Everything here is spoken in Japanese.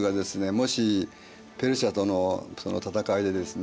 もしペルシアとの戦いでですね